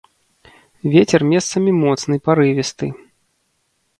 Вецер месцамі моцны парывісты.